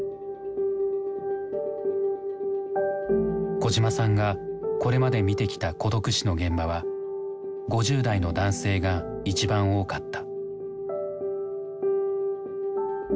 小島さんがこれまで見てきた孤独死の現場は５０代の男性が一番多かった。